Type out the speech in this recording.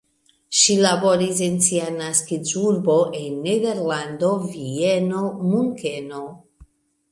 Ŝi laboris en sia naskiĝurbo, en Nederlando, Vieno, Munkeno.